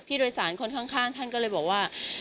ผู้โดยสารคนข้างท่านก็เลยบอกว่า